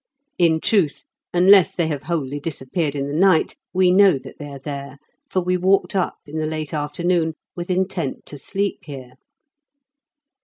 In truth, unless they have wholly disappeared in the night, we know that they are there, for we walked up in the late afternoon with intent to sleep here.